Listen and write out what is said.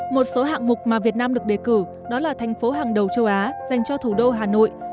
một số hạng mục mà việt nam được đề cử đó là thành phố hàng đầu châu á dành cho thủ đô hà nội